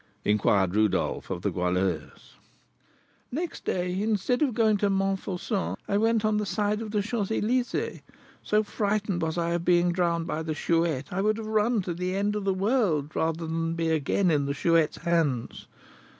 inquired Rodolph of the Goualeuse. "Next day, instead of going to Montfauçon, I went on the side of the Champs Elysées, so frightened was I of being drowned by the Chouette. I would have run to the end of the world, rather than be again in the Chouette's hands.